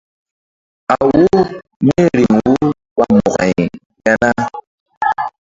A wo míriŋ wo ɓa mo̧ko-ay ya na?